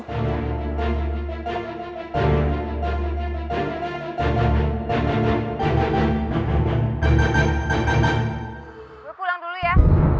gue pulang dulu ya